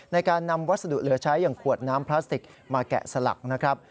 ในการนำวัสดุเหลือใช้อย่างขวดน้ำพลาสติกมาแกะสลักนะครับ